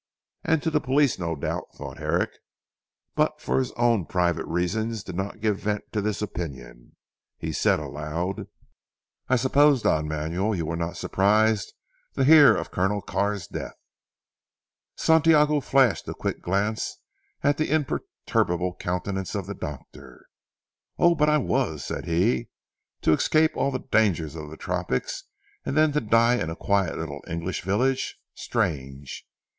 "And to the police no doubt," thought Herrick; but for his own private reasons did not give vent to this opinion. He said aloud, "I suppose Don Manuel, you were not surprised to hear of Colonel Carr's death." Santiago flashed a quick glance at the imperturbable countenance of the doctor. "Oh, but I was," said he "to escape all the dangers of the tropics, and then to die in a quiet little English village. Strange!